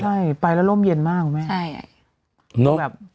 ใช่ไปแล้วร่มเย็นมากคุณแม่